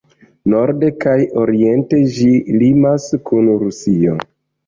Norde kaj oriente ĝi limas kun Rusio.